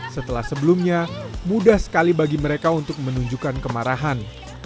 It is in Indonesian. setelah sebelumnya mudah sekali bagi mereka untuk menunjukkan kemarahan